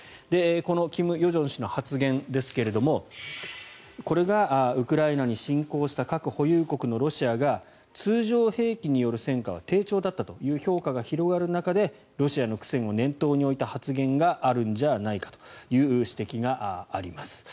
この金与正氏の発言ですがこれがウクライナに侵攻した核保有国のロシアが通常兵器による戦果が低調だったという評価が広がる中でロシアの苦戦を念頭に置いた発言があるんじゃないかという指摘があります。